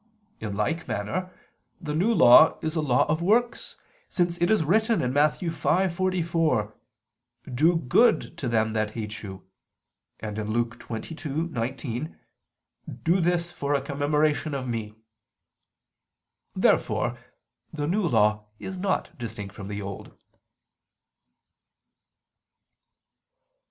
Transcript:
In like manner the New Law is a law of works: since it is written (Matt. 5:44): "Do good to them that hate you"; and (Luke 22:19): "Do this for a commemoration of Me." Therefore the New Law is not distinct from the Old.